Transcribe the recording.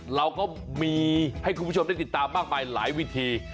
เราก็มีให้คุณผู้ชมได้ติดตามมากมายหลายวิธี